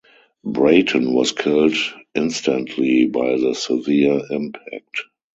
Brayton was killed instantly by the severe impact.